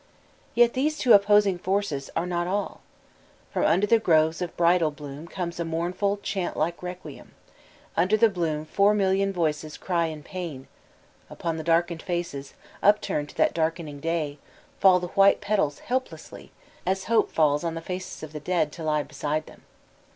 Yet these two opposing forces are not all. From under the groves of bridal bloom comes a mournful, chant like requiem; under the bloom four million voices cry in pain; upon the darkened faces, upturned to that darken ing day, fall the white petals helplessly, as Hope falls on the faces of the dead — ^to die beside them.